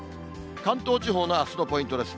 関東地方のあすのポイントです。